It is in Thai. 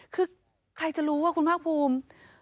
คือใครจะรู้ว่าคุณภาคภูมิ